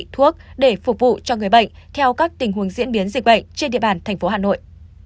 thuốc để phục vụ cho người bệnh theo các tình huống diễn biến dịch bệnh trên địa bàn thành phố hà nội